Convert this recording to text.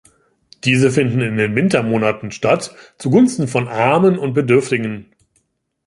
Diese finden in den Wintermonaten statt, zugunsten von Armen und Bedürftigen.